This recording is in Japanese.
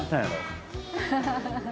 アハハハ。